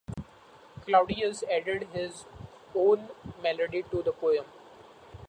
Claudius added his own melody to the poem.